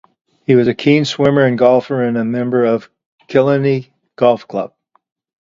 He was a keen swimmer and golfer, and a member of Killiney Golf Club.